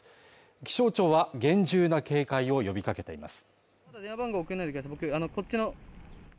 気象庁は厳重な警戒を呼びかけています。